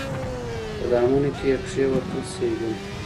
په دامونو کي یې کښېوتل سېلونه